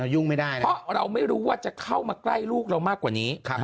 เพราะเราไม่รู้ว่าจะเข้ามาใกล้ลูกเรามากกว่านี้